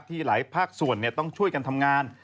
หลายภาคส่วนต้องช่วยกันทำงาน